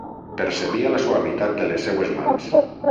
Percebia la suavitat de les seues mans.